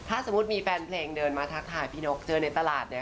ถ้าสมมุติมีแฟนเพลงเดินมาทักทายพี่นกเจอในตลาดเนี่ย